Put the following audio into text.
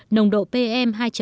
nồng độ pm hai năm